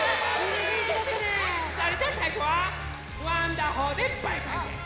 それじゃさいごはワンダホーでバイバイです！